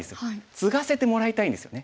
ツガせてもらいたいんですよね。